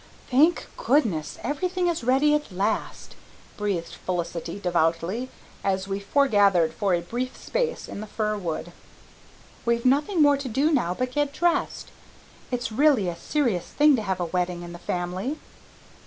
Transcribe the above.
"Thank goodness, everything is ready at last," breathed Felicity devoutly, as we foregathered for a brief space in the fir wood. "We've nothing more to do now but get dressed. It's really a serious thing to have a wedding in the family."